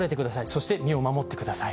そして身を守ってください。